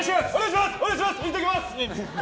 行ってきます！